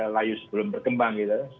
layu sebelum berkembang gitu